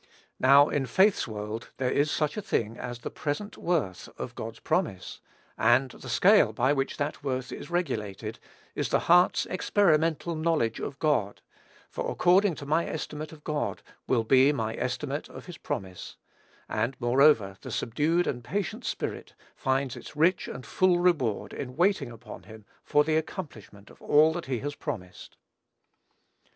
Now, in faith's world, there is such a thing as the present worth of God's promise; and the scale by which that worth is regulated is the heart's experimental knowledge of God; for according to my estimate of God, will be my estimate of his promise; and moreover, the subdued and patient spirit finds its rich and full reward in waiting upon him for the accomplishment of all that he has promised.